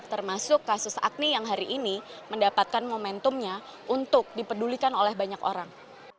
termasuk kasus agni yang hari ini mendapatkan momentumnya untuk dipedulikan oleh banyak orang